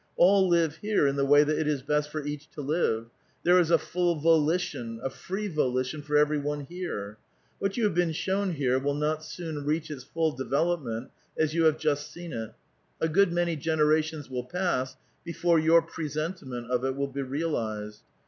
All live here in the way that it is best for each to live ; there is a full volition, a free volition for every one here. " What you have been shown here will not soon roach its full development as you have just seen it. A good many generations will pass before your presentiment of it will be realized.